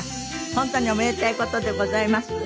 本当におめでたい事でございます。